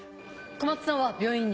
小松さんは病院に。